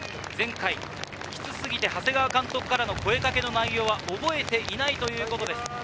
前回きつすぎて長谷川監督からの声かけの内容は覚えていないということです。